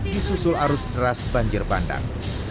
di susul arus deras banjir bandar